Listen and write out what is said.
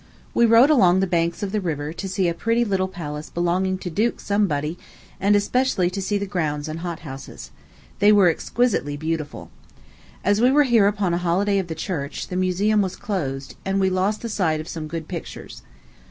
We rode along the banks of the river, to see a pretty little palace belonging to Duke Somebody, and especially to see the grounds and hothouses. They were exquisitely beautiful. As we were here upon a holiday of the church, the Museum was closed, and we lost the sight of some good pictures.